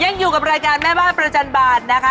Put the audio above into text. ยังอยู่กับรายการแม่บ้านประจันบาลนะคะ